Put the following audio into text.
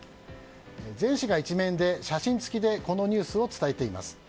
全紙が１面で写真付きでこのニュースを伝えています。